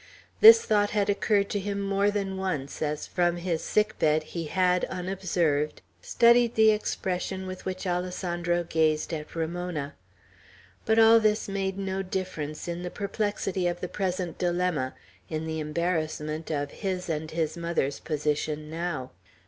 This thought had occurred to him more than once, as from his sick bed he had, unobserved, studied the expression with which Alessandro gazed at Ramona. But all this made no difference in the perplexity of the present dilemma, in the embarrassment of his and his mother's position now.